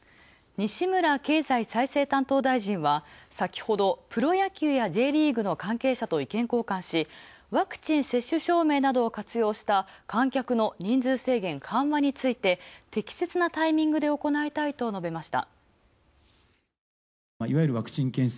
西村経済再生担当大臣は、先ほどプロ野球やＪリーグの関係者と意見交換し、ワクチン接種証明などを活用した観客の人数制限緩和について適切なタイミングで行いたいと述べました。